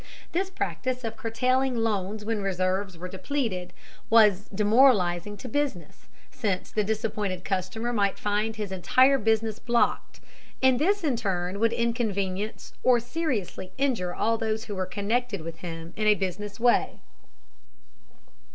This practice of curtailing loans when reserves were depleted was demoralizing to business, since the disappointed customer might find his entire business blocked, and this in turn would inconvenience or seriously injure all those who were connected with him in a business way.